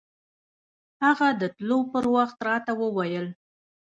هغه د تلو پر وخت راته وويل.